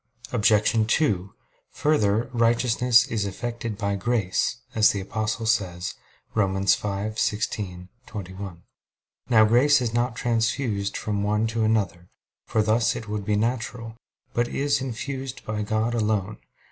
Obj. 2: Further, righteousness is effected by grace, as the Apostle says (Rom. 5:16, 21). Now grace is not transfused from one to another, for thus it would be natural; but is infused by God alone.